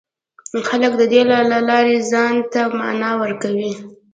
خلک د دې له لارې ځان ته مانا ورکوي.